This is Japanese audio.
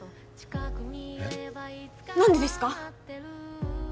えっ？何でですか？